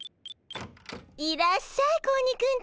いらっしゃい子鬼くんたち。